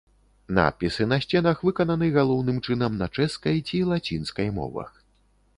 Надпісы на сценах выкананы галоўным чынам на чэшскай ці лацінскай мовах.